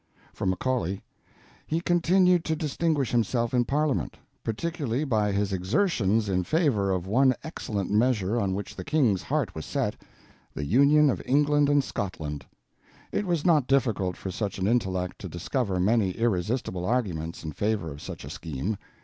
From Macaulay: He continued to distinguish himself in Parliament, particularly by his exertions in favor of one excellent measure on which the King's heart was set—the union of England and Scotland. It was not difficult for such an intellect to discover many irresistible arguments in favor of such a scheme.